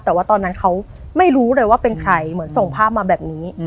แต่ว่าตอนนั้นเขาไม่รู้เลยว่าเป็นใครเหมือนส่งภาพมาแบบนี้